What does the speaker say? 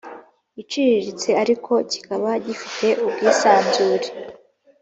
iciriritse ariko kikaba gifite ubwisanzure